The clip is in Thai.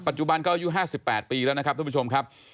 จุบันก็อายุ๕๘ปีแล้วนะครับทุกผู้ชมครับ